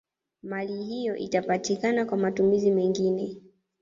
Mali hiyo itapatikana kwa matumizi mengine